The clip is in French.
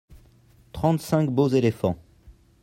trente cinq beaux éléphants.